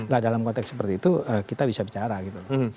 nah dalam konteks seperti itu kita bisa bicara gitu